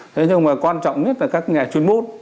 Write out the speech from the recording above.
thế nhưng mà quan trọng nhất là các nhà chuyên môn